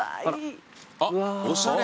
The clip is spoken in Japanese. あっおしゃれ。